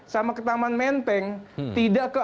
sama ke taman menteng tidak ke